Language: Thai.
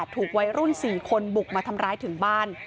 ถูกวัยรุ่น๔คนบุกมาทำร้ายถึงบ้าน